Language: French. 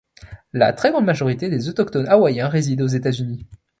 La très grande majorité des autochtones hawaïens résident aux États-Unis.